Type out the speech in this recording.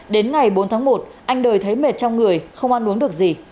đến ngày bốn tháng một anh đời thấy mệt trong người không ăn uống được gì